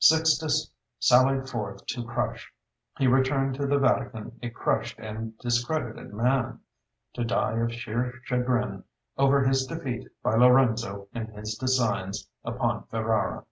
Sixtus sallied forth to crush; he returned to the Vatican a crushed and a discredited man, to die of sheer chagrin over his defeat by Lorenzo in his designs upon Ferrara.